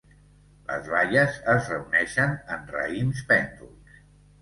Les baies es reuneixen en raïms pènduls.